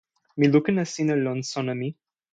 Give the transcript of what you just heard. mi lukin e sina lon sona mi.